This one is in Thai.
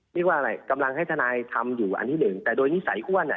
เรียกว่าอะไรกำลังให้ทนายทำอยู่อันที่หนึ่งแต่โดยนิสัยอ้วนอ่ะ